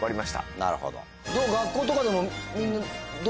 なるほど。